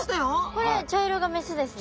これ茶色が雌ですね。